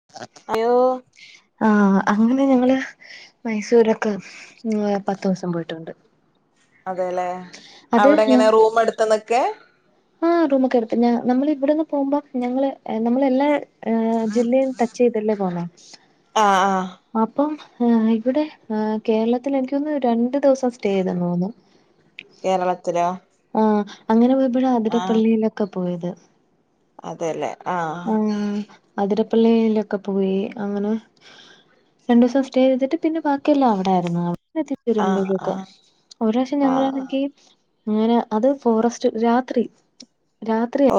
[inaudible] അയോ ആ അങ്ങനെ ഞങ്ങള് മൈസൂരൊ ക്ക ആ പത്തു ദിവസം പോയിട്ടുണ്ട്. അത് [unintelligible] ക്കെ ആ റൂമൊക്കെ എടുത്ത് ന്നാ ന്നമ്മൾ ഇവിടെന്ന് പോകുമ്പോ ഞങ്ങള് എ നമ്മള് എല്ലാ ഹ ജില്ലേ ടച്ച് ചെയ്തല്ലേ പോണെ ആഹ് ആഹ് അപ്പം ഇവിടെ ആ കേരളത്തിൽ എനിക്കൊന്ന് രണ്ടു ദിവസം സ്റ്റേ ചെയ്തന്ന് തോന്നുന്ന കേരളത്തിലോ? ആഹ് അങ്ങനെ പോയ്പഴാ അതിരപ്പള്ളിയിലൊക്കെ പോയത് അതെ ല്ലേ ഉം അതിരപ്പള്ളിയിലൊക്കെ പോയി അങ്ങനെ ഹേ രണ്ടുസം സ്റ്റേ ചെയ്തിട്ട് പിന്നെ ബാക്കിയെല്ലാം അവിടൊയിരുന്നു ആ.. ആഹ് തിരുമ്പല്ലുക ആഹ് ഒരീസം ആഹ് ഞങ്ങളാണെങ്കി.. അങ്ങനെ അത് ഫോറസ്റ്റ് രാത്രി.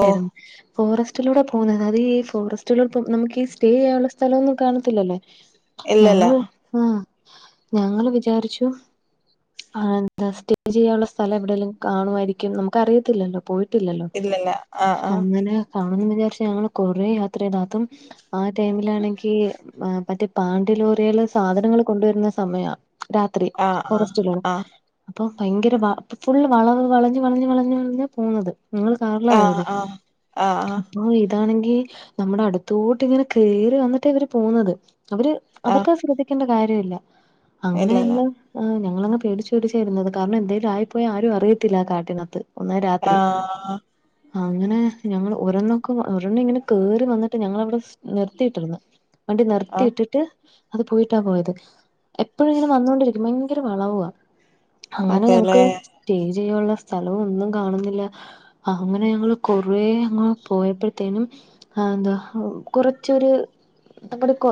ഓ ഫോറസ്റ്റിലൂടെ പോന്നന്നത് ഈ ഫോറസ്റ്റുകൾപ്പം നമുക്ക് ഈ സ്റ്റേ ആകാനുള്ള സ്ഥലന്നും കാണത്തില്ലല്ലേ.. ഇല്ലല്ല ഞങ്ങള് ആഹ് ഞങ്ങള് വിചാരിച്ചു ആഹ് എന്താ സ്റ്റേപ്പ്‌ ചെയ്യാനുള്ള സ്ഥലം എവിടെലും കാണുമായിരിക്കും നമുക്ക് അറിയത്തില്ലല്ലോ പോയി.. ട്ടില്ലല്ലോ ഇല്ലല്ല ആഹ് ആഹ് അങ്ങന.. കാണന്ന് വിചാരിച്ച ഞങ്ങള് കൊറെ യാത്ര ചെയ്ത അതും ആ ടൈമിലാണെങ്കി പറ്റേ. പാണ്ടി ലോറേള് സാധനങ്ങൾ കൊണ്ടുവരുന്ന സമയ രാത്രി ആഹ് ഫോറസ്റ്റിലൂടെ ആഹ് അപ്പൊ ഭയങ്കര വ ഫുള്ള് വളവ് വളഞ്ഞ് വളഞ്ഞ വളഞ്ഞ് വളഞ്ഞ പോണത്ത് ങ്ങൾ.. കാറിലാ ആഹ് പോയത്. ആഹ് ആഹ് ഇതാണെങ്കി നമ്മുടെ അടുത്തോട്ട് ഇങ്ങനെ കേറി വന്നിട്ട് ഇവര് പോകുന്നത്. അവര് ആഹ് അവർക്കആ ശ്രദ്ധിക്കേണ്ട കാര്യല്ല അങ്ങനെ ഇല്ലല്ല ഞങ്ങള് ആഹ് ഞങ്ങളങ്ങ് പേടിച്ച് പേടിച്ചാ ഇരുന്നത് കാരണം എന്തെലും ആയിപ്പോയ ആരും അറിയത്തില്ല ആ കാട്ടിനകത്ത് ഒന്ന രാത്രി ആഹ് അങ്ങനെ ഞങ്ങള് ഓരോന്നും.. ക്കാ ഒരൊന്ന് ഇങ്ങനെ കേറി വന്നിട്ട് ഞങ്ങവിടെ നിർത്തിട്ടിന്ന് വണ്ടി ആഹ് നിർത്തിയിട്ടിട്ട് അത് പോയിട്ടാ പോയത്. എപ്പോഴും ഇങ്ങനെ വന്നൊണ്ടിരിക്കും ഭയങ്കര വളവാ. അങ്ങനെ അതെല്ലേ ഞമക്ക്.. സ്റ്റേ ചെയ്യാനുള്ള സ്ഥലവും ഒന്നും കാണുന്നില്ല അങ്ങനെ ഞങ്ങള് കൊറേ ഞങ്ങള് പോയപ്പോഴത്തേനും ആഹ് എന്താ കുറച്ചൊരു നമ്മുടെ കൊ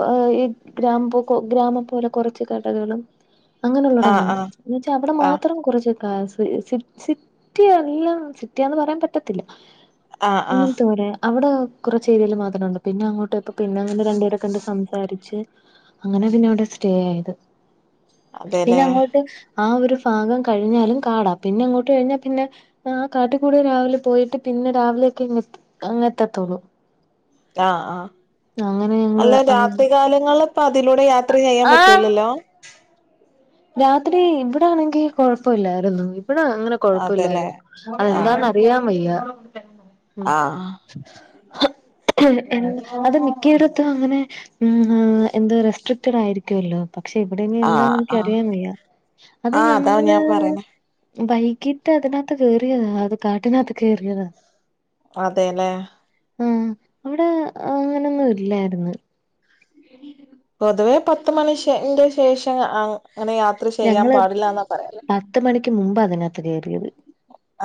ഗ്രാമ ഗ്രാമം പോലെ കൊറച്ച് കടകളും അങ്ങനെയുള്ള ഇടണ്ട് ആഹ് ആഹ് എന്ന് വച്ചാ അവിടെ ആഹ് മാത്രം കുറച്ച്.. ആഹ് സി സിറ്റി എല്ലാം സിറ്റിയന്ന് പറയാൻ പറ്റത്തില്ല.. ആഹ് ആഹ് അങ്ങനത്തെ രെ അവടെ കുറച്ച് ഏരിൽ മാത്രമുണ്ട് പിന്നെ അങ്ങോട്ട് ഇപ്പ പിന്നെ അങ്ങനെ രണ്ടുപേര കണ്ട് സംസാരിച്ച് അങ്ങനെ പിന്നെ അവിടെ സ്റ്റേ ആയത് പിന്നെ. അതെല്ലേ അങ്ങോട്ട് ആ ഒരു ഭാഗം കഴിഞ്ഞാലും കാടാം പിന്നെഅങ്ങോട്ട് കഴിഞ്ഞാ പിന്നെ ആഹ് കാട്ടിക്കൂടെ രാവിലെ പോയിട്ട് പിന്നെ രാവിലൊക്കെങ്ങ അങ്ങത്തെത്തോള്ളൂ ആഹ് ആഹ് അല്ല അങ്ങ് രാത്രി കാലങ്ങളില് ഇപ്പൊ അതിലൂടെ യാത്ര ചെയ്യാൻ പറ്റൂലല്ലോ രാത്രി ഇവിടെ ആണെങ്കി കൊഴപ്പവില്ലാരുന്നു ഇവിടെ അങ്ങനെ അതെല്ലേ കൊഴപ്പവില്ലാരുന്നു ആഹ് അതെന്താന്നറിയാൻ വയ്യ ഉം ആഹ് എ അത് മിക്കേടത്തും അങ്ങനെ ഊ എന്തോ റെസ്ട്രിക്റ്റഡ് ആയിരിക്കുമല്ലോ പക്ഷെ ആഹ് ഇവിടെനിയെന്താന്ന് ആഹ് എനിക്കറിയാൻവയ്യാ അത് ആഹ് അതാ ഞങ്ങള് ഞാൻ പറയണേ വൈകിട്ട് അതിനാത്ത് കേറീയതാ അത് കാട്ടിനാത്ത് കേറിയതാ അതെല്ലേ ആഹ് അവിടെ അങ്ങനെയൊന്നുയില്ലാരുന്നു പൊതുവേ പത്ത് മണിഷ്യന്റെ ശേഷം ആഹ് അങ്ങനെ യാത്ര ചെയ്യാൻ ഞങ്ങള് പാടില്ലാന്നാ പറയാറ് പത്ത് മണിക്ക് മുമ്പാ അതിനാത്ത് കേറിയത്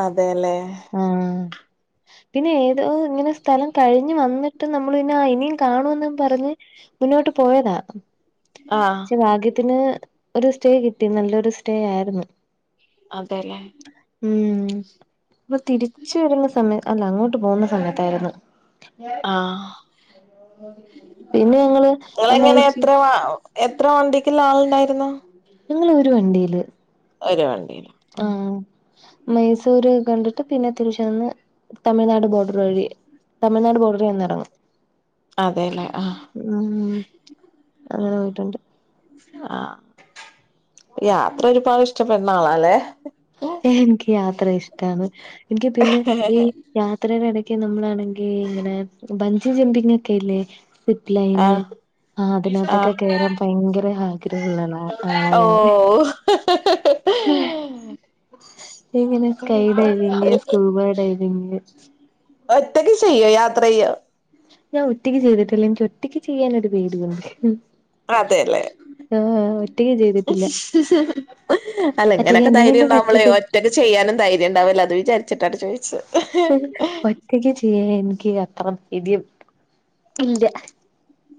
അതെല്ലേ ആഹ് പിന്നെ ഏതോ ഇങ്ങനെ സ്ഥലം കഴിഞ്ഞ് വന്നിട്ട് നമ്മൾ പിന്നെ ആഹ് ഇനിയും കാണുമെന്ന് പറഞ്ഞ് മുന്നോട്ട് പോയതാ ആഹ് ആഹ് പക്ഷെ ഭാഗ്യത്തിന് ഒരു സ്റ്റേ കിട്ടി നല്ലൊരു സ്റ്റേ ആയിരുന്നു അതെല്ലേ ഉം അപ്പൊ തിരിച്ചുവരുന്ന സമയം അല്ല അങ്ങോട്ട് പോകുന്ന സമയത്താരുന്നു ആഹ് പിന്നെ ഞങ്ങള് [unintelligible] ഓ എത്ര വണ്ടിക്കുള്ള ആളുണ്ടായിരുന്നു ഞങ്ങളൊരു വണ്ടീല് ഒരു വണ്ടിം ആഹ് മൈസൂര് കണ്ടിട്ട് പിന്നെ [unintelligible] തമിഴ്നാട് ബോഡറു വഴി തമിഴ്നാട് ബോഡറീ വന്നിറങ്ങും അതെല്ലേ ആഹ് ഊമ് അങ്ങനെ പോയിട്ടുണ്ട് ആഹ് യാത്ര ഒരുപാട് ഇഷ്ടപ്പെടുന്ന ആളാല്ലേ ഏ എനിക്ക് യാത്ര ഇഷ്ടാണ് എനിക്ക് പിന്നെ ഈ യാത്രയുടെ എടക്ക് നമ്മളാണെങ്കി ഇങ്ങനെ ബഞ്ച് ചിന്തീങ്ങ് ഒക്കെ ഇല്ലേ സിപ്പ് ലൈന് ആഹ് ആഹ് അതിനാത്തൊക്കെ കേറാൻ ആഹ് ഭയങ്കര ആഗ്രഹുള്ള ആളാ ഓ ഞാൻ ഉം ഇങ്ങനെ സ്കൈ ഡൈവിങ് സ്കൂബോ ഡവിങ് ഒറ്റയ്ക്ക് ചെയ്യോ യാത്ര ചെയ്യോ ഞാൻ ഒറ്റക്ക് ചെയ്തിട്ടില്ലേ എനിക്ക് ഒറ്റക്ക് ചെയ്യാനൊരു പേടിയുണ്ട് ആ അതയല്ലേ ആഹ് ഒറ്റയ്ക്ക് ചെയ്തിട്ടില്ല [unintelligible] അല്ല ഒറ്റയ്ക്ക് ഇങ്ങനെക്കെ എന്നെ ധൈര്യം കൊണ്ട് ഉണ്ടാകുമ്പോളെയ് പറ്റത്തില്ല ഒറ്റ ഒറ്റൊക്ക് ചെയ്യാനും ധൈര്യണ്ടാവില്ലാ അത് വിചാരിച്ചിട്ടാട്ടോ ചോയിച്ചത് ഒറ്റയ്ക്ക് ചെയ്യാൻ എനിക്ക് അത്ര ധൈര്യം ഇല്ല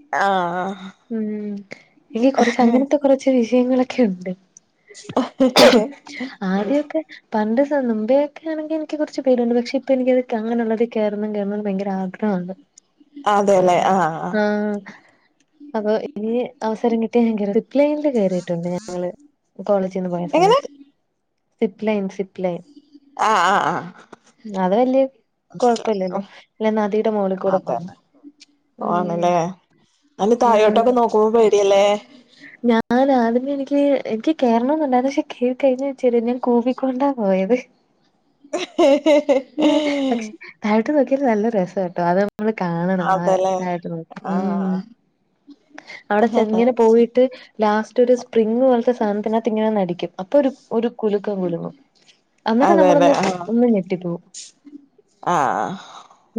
ആഹ് ആഹ് ഉം ഇനി കൊറച്ച് അങ്ങനത്തെ കൊറച്ച് വിഷയങ്ങളൊക്കെ ഉണ്ട് [unintelligible] ആദ്യമൊക്കെ പണ്ട് സ മുമ്പയൊക്കെ ആണെങ്കി എനിക്ക് കൊറച്ച് പേടിയുണ്ട്. പക്ഷെ ഇപ്പ എനിക്കത് അങ്ങനെ ഉള്ളതിൽ കേറണം കേറണം ഭയങ്കരം ആഗ്ര ത്താന് അതെല്ലേ ആഹ് ആഹ് അപ്പൊ ഇനി അവസരം കിട്ടിയാ ഞാൻ കോറും സിപ് ലൈനില് കേറിട്ടുണ്ട് ഞങ്ങള് കോളേജീന്ന് പോയ എങ്ങനെ സമയത്ത് സിപ്പ് ലൈൻ ആഹ് ആഹ് ആഹ് അത് വല്യ മനസ്സിലായി കൊഴപ്പില്ലല്ലോ ഉം അല്ല നദിയുടെ മുകളിൽ കൂടെ അതെ പോകുനെ ആണല്ലേ അതിന് ഉം തായോട്ടൊക്കെ നോക്കുമ്പോ പേടിയല്ലേ ഞാൻ ആദ്യമേ എനിക്ക് എനിക്ക് കേറണോന്നുണ്ടാരുന്നു പക്ഷെ കേറി കഴിഞ്ഞ ച്ചാല് ഞാൻ കൂവിക്കൊണ്ടാ പോയത് പക്ഷെ താഴോട്ട് നോക്കിയാല് നല്ല രസാട്ടോ അതാപ ഒന്ന് കാണണം ആ അതല്ലേ താഴോട്ട് നോക്കി ഉം ആഹ് അവിടെ ച്ചേറ്ങ്ങനെ പോയിട്ട് ലാസ്റ്റ് ഒരു സ്പ്രിങ്ങ് പോലത്തെ സാധനത്തിനകത്ത് ഇങ്ങനെ നിന്നടിക്കും അപ്പൊ ഒരു ഒരു കുലുക്കം കുലുങ്ങും അന്നേരം അതെല്ലെ നമ്മളൊന്ന് ആഹ് ഒന്ന് ഞെട്ടിപ്പോകും ആഹ്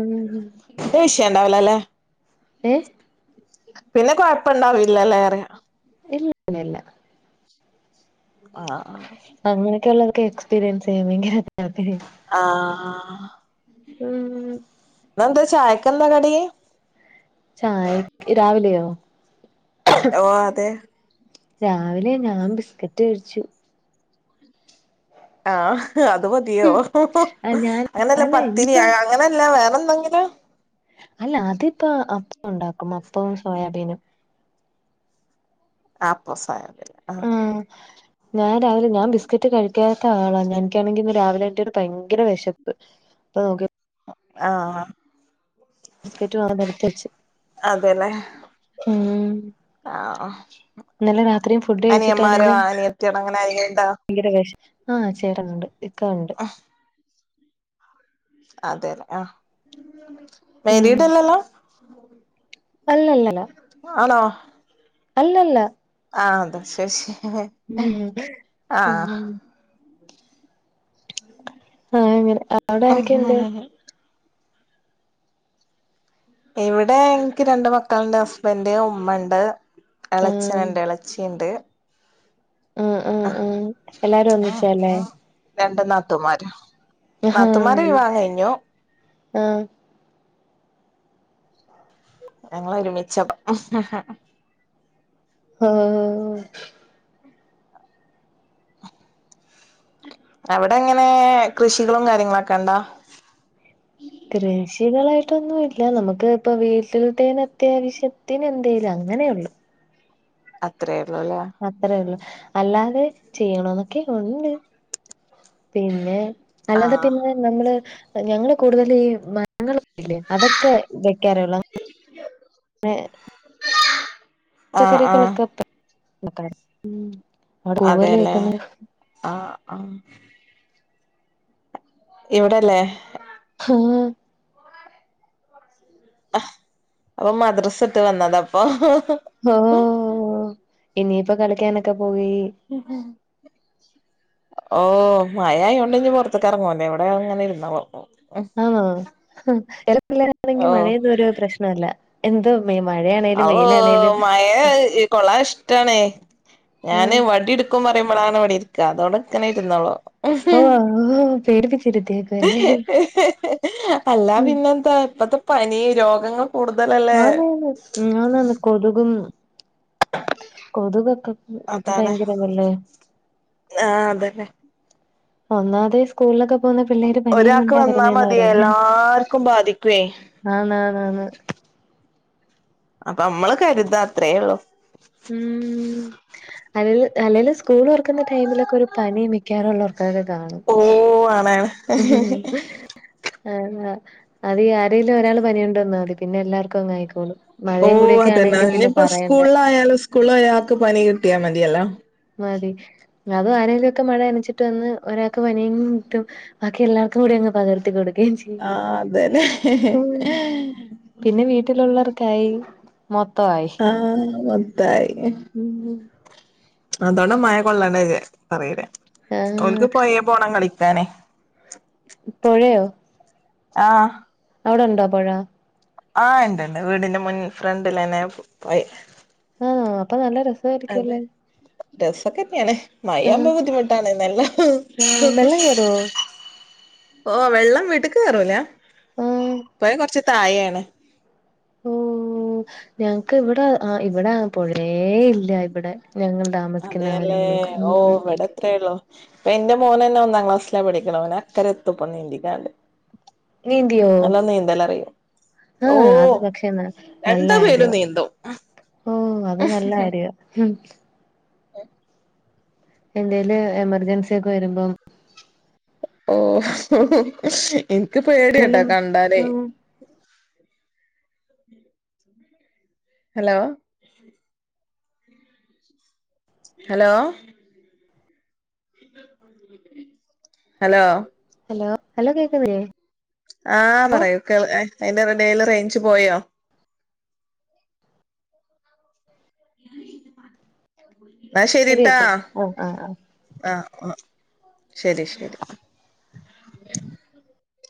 ഉം ഇത് വിഷയോണ്ടാവില്ലല്ലേ ഏഹ് പിന്നെ കൊഴപ്പൊണ്ടാവില്ലല്ലേറെ ഇല്ല ഇല്ല ആഹ് അങ്ങനൊക്കെ ഉള്ളതൊക്ക എക്സ്പീരിയൻസ് ചെയ്യുമെങ്കി അതെ ആഹ് ഉം. ഇന്നെന്ത്‌ ചായക്കെന്താ കടി? ചായക്ക് രാവിലെയോ? ഓഹ് അതെ. രാവിലെ ഞാൻ ബിസ്കറ്റ് കഴിച്ചു. ആഹ് അത് മതിയോ ഉം ഹ ഹൂ ആ ഞാൻ അങ്ങനെയല്ല അല്ല ഇനിയിപ്പ പത്തിരിയാ അങ്ങനല്ല വേറെ എന്തെങ്കിലും? അല്ല അതിപ്പോ അപ്പം ഉണ്ടാക്കും അപ്പോം സോയാബീനും. അപ്പോം സോയാബീനും. ആഹ്. ഞാൻ രാവിലെ ഞാൻ ബിസ്ക്കറ്റ് കഴിക്കാത്ത ആളാണ് ഞ എനിക്കാണെങ്കി ഇന്ന് രാവിലെ ഏറ്റിട്ട് ഭയങ്കര വെശപ്പ്. ഓക്കെ. ആഹ്. ബിസ്കറ്റ് വേറൊന്ന് എടുത്ത് വെച്ച് അതെല്ലേ ഉം. ആഹ് ഇന്നലെ രാത്രിയും ഫുഡ് അനിയമ്മാരോ കഴിച്ചിട്ടാണേലും അനിയത്തികളോ അങ്ങനെ ആരെങ്കിലും ഉണ്ടോ? ഭയങ്കര വെശ് ആഹ് ചേട്ടനുണ്ട് ഇക്ക ഉണ്ട്. അതെല്ലേ ആഹ് ഉം മേരീടല്ലല്ലോ? അല്ലല്ലല്ല. ആണോ? അല്ലല്ല. ആഹ് അതാ ശൊശെ. ഉം ഉം. [unintelligible] ആഹ് അങ്ങനെ അവിടെ ആരൊക്കെണ്ട്? ഇവിടെ എനിക്ക് രണ്ട് മക്കള്ണ്ട് ഹസ്ബൻഡ് ഉമ്മണ്ട് ആഹ് എളച്ചനുണ്ട് എള ച്ചീണ്ട്. ആഹ് ആഹ് ആഹ് എല്ലാരും ഒന്നിച്ചാല്ലേ. രണ്ട് നാത്തുമാരും. ആഹ് ആഹ്. ഞങ്ങള് ഒരുമിച്ച ഹൂ ഹൂ. ആഹ്. അവിടെ എങ്ങനെ കൃഷികളും കാര്യങ്ങളൊക്കെണ്ടാ? കൃഷികളായിട്ടൊന്നും ഇല്ല നമുക്ക് ഇപ്പ വീട്ടിലത്തേന് അത്യാവശ്യത്തിന് എന്തലും അങ്ങനെയുള്ളു. അത്രേ ഉള്ളല്ലേ. അത്രേ ഉള്ളു അല്ലാതെ ചെയ്യണോന്നൊക്കെ ഉണ്ട് പിന്നെ അല്ലാതെ ആഹ് പിന്നെ നമ്മള് ഞങ്ങള് കൂടുതൽ ഈ ഞങ്ങല്ലേ അതൊക്കെ വെക്കാറേള്ള [inaudible] ആഹ് ആഹ് പച്ചക്കറികളൊക്കെ അവിടെ പൂവല അതെല്ലേ കേക്കുന്ന ആഹ് ആഹ് ഇവിടെല്ലേ ഉം ഓൻ മദ്രസ് ഇട്ട് വന്നതാ ഇപ്പൊ ഓഹ് ഇനിയിപ്പോ കളിക്കാനൊക്കെ പോയി ഓ മയായോണ്ട് ഇഞ്ഞ് പുൊറത്തക്ക ഇറങ്ങുവന്നല്ല എവിടെ അങ്ങന ഇരുന്നാ ആപിള്ളേരാണെങ്കിൽ മഴ ഓഹ് ഒരു പ്രശ്നമല്ല എന്ത മഴന്നേ ആ ഓ മഴ ഈ കൊള്ളാൻ ഇഷ്ടാ ണ ഞാന് ആഹ് വടി ഇടുക്കും ക്കും പറുമ്പോഴാണ് ഇവിടെ ഇരിക്കഅതോടെ ഇക്കനെ ഇുരുന്നോളൂ കു ഓ ഓ പേടിപ്പിചിരിത്തിയക്കലെ അല്ല പിന്നെന്താ ഇപ്പത്തെ പനി രോഗങ്ങള ആനന്ന് ആനാണ് കൊതുകും കൊതുകൊക്കെ ഭയങ്കര തല്ലേ ആ അതന്നെ ഒന്നാമതെ സ്കൂളിലൊക്കെ പോകുന്ന പിള്ളേര് പനിയും ഒരാൾക്ക് കൊണ്ടാ വന്നാ വരുന്നന്ന് മതി പറയുന്നേ എല്ലാർക്കും ബാധിക്കുവേ ആന്നാന്നാന് അപ്പ മ്മള് കരുതാ അത്രേ ഉള്ളൂ. ഉ അല്ലല് അല്ലെലുംസ്കൂൾ ഓർക്കുന്ന ടൈമിലൊക്കെ ഒരു പനി മിക്കാറുള്ള അയിലെ കാണും. ഓ ആണന്നു ഉം അ അത്ഈ ആരങ്കിലും ഒരാൾ പനിയുണ്ടോ ന്നാൽ മതി പിന്നെ എല്ലാർക്കും അങ്ങ് ആയിക്കോലും. ഓ അതന്നാ ഇനിയിപ്പോ സ്കൂളിലായാലും സ്കൂളായയാ ആൾക്ക് പനി കിട്ടിയാൽ മതിയല്ലോ മതി അത് ആനെങ്കിലൊക്കെ മഴ അനച്ചിട്ട് വന്ന് ഒരാൾക്ക് പനിയങ്കും കിട്ടും. ബാക്കി എല്ലാവർക്കും കൂടി അങ് പകർത്തി കൊക്കുകയും ചെയ്യു ആ അതന്നെ പിന്നെ വീട്ടിലുള്ളവർക്കായി മൊത്തയി ആഹ മൊത്തായി അതാണ് മഴ കൊള്ളണ്ട പറയല ആഹ് ഓൽക്ക് പോയേ പോണം കളിക്കാനെ പായയോ ആഹ് ഔടെ ണ്ടാ പൊഴ ആഹ ഇണ്ട്ണ്ട് വീടിന്റെ മുൻ ഫ്രണ്ടിലന്നെ പോയ് ആ അപ്പൊ നല്ല രസം അതെ രസൊക്കെ ന്നെയാണ്. ആഹ് മയാവുമ്പോ ബുദ്ധിമുട്ടാണ് നല്ല വെള്ളം കേറുവോ ഓ വെള്ളം വിടുക്ക് കേറുല ആഹ് പൊയ കൊറച്ച തായാണ്. ഓ ഞങ്ങക്ക് ഇവിടെ ആ ഇവിടെ പൊഴേ ഇല്ല ഇവിടെ ഞങ്ങൾട അതേല്ലേ ഓവിടെ എത്രേ ള്ളു ഇപ്പൊ എന്റെ മോന ന്നെ ഒന്നാം ക്ലാസ്സില പഠിക്കണ ഓൻ അക്കരെ എത്തുപ്പീനീന്തിക്കാണ്ട് നീന്തിയോ നല്ല നീന്തൽ അറിയും. ആഹ അത് പക്ഷെ നല്ല രണ്ടു ആര്യാ പേരും നീന്തും ഓ അത് നല്ല ആര്യാ ഉം. [inaudible] എന്തേലും എമർജൻസി ഒക്കെ വരുമ്പം. ഓ ഓ ഇനിക്ക് പേടിയട്ടോ അല്ലേലും കണ്ടാലേ. ഉം hello hello. Hello hello hello കേൾക്കുന്നില്ലേ? ആഹ പറയൂ കേ അതിന്റെടേൽ റേഞ്ച് പോയോ? [unintelligible] ന്നാ ആ ശരി ശരിട്ടാ കേട്ടോ ഓ ആഹ് ആഹ് ആഹ ആഹ് ശരി ശരി.